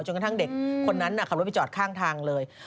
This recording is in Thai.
กระทั่งเด็กคนนั้นขับรถไปจอดข้างทางเลย